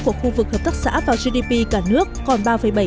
của khu vực hợp tác xã vào gdp cả nước còn ba bảy